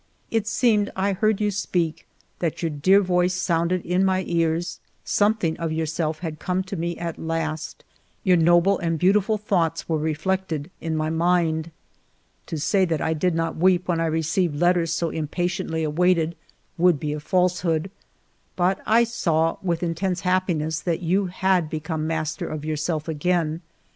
It seemed I heard you speak, that your dear voice sounded in my ears ; something of yourself had come to me at last, your noble and beautiful thoughts were reflected in my mind. To say that I did not weep when I received letters so impatiently awaited would be a falsehood; but I saw with intense happiness that you had be come master of yourself again.